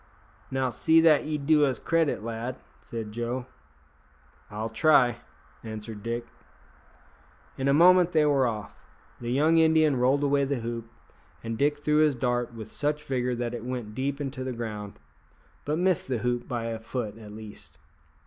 "Now, see that ye do us credit, lad," said Joe. "I'll try," answered Dick. In a moment they were off. The young Indian rolled away the hoop, and Dick threw his dart with such vigour that it went deep into the ground, but missed the hoop by a foot at least.